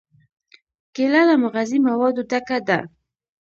کېله له مغذي موادو ډکه ده.